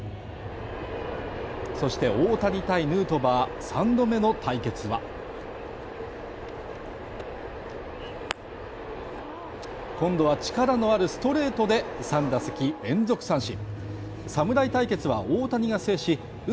そして大谷対ヌートバー３度目の対決は今度は力のあるストレートで３打席連続三振。